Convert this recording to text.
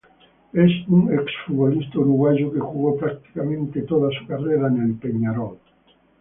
Es un ex-futbolista uruguayo que jugó prácticamente toda su carrera en Peñarol.